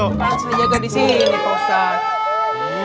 tepat saja di sini pak ustadz